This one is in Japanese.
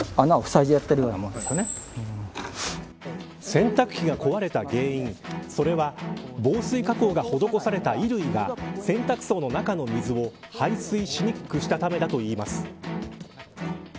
洗濯機が壊れた原因それは防水加工が施された衣類が洗濯槽の中の水を排水しにくくしたためだといいます。